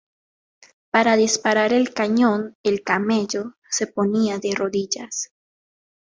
Para disparar el cañón, el camello se ponía de rodillas.